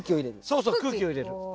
そうそう空気を入れる。